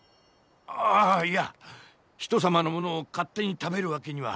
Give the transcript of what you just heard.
あいや人様のものを勝手に食べるわけには。